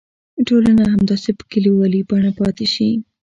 ټولنه همداسې په کلیوالي بڼه پاتې شي.